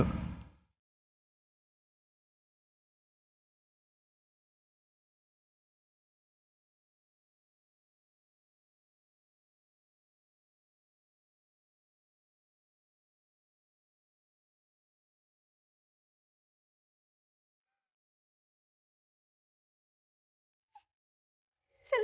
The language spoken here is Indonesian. udah sini saya bantu